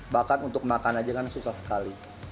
bahkan untuk makan aja kan susah sekali